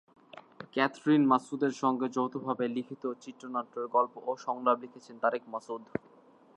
Catherine মাসুদের সঙ্গে যৌথভাবে লিখিত চিত্রনাট্যের গল্প ও সংলাপ লিখেছেন তারেক মাসুদ।